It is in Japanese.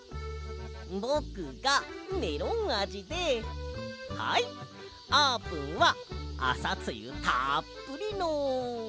ぼくがメロンあじではいあーぷんはあさつゆたっぷりの。